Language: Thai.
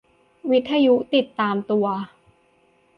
วิทยุติดตามตัว